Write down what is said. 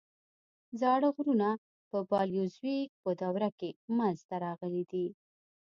زاړه غرونه په پالیوزویک په دوره کې منځته راغلي دي.